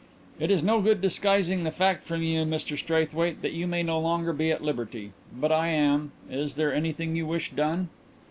"It is no good disguising the fact from you, Mr Straithwaite, that you may no longer be at liberty. But I am. _Is there anything you wish done?